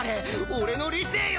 俺の理性よ！